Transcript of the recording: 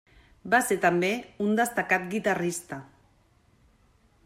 Va ser també un destacat guitarrista.